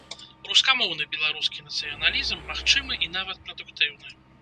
Рускамоўны беларускі нацыяналізм магчымы і нават прадуктыўны.